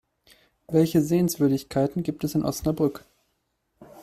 Welche Sehenswürdigkeiten gibt es in Osnabrück?